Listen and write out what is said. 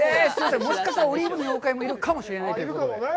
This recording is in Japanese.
もしかしたら、オリーブの妖怪もいるかもしれないということで。